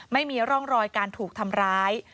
ไม่มีร่องรอยการถูกทำร้าย